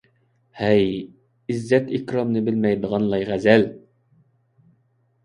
ھەي، ئىززەت - ئىكرامنى بىلمەيدىغان لايغەزەل!